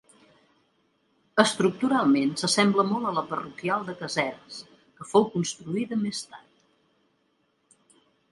Estructuralment s'assembla molt a la parroquial de Caseres, que fou construïda més tard.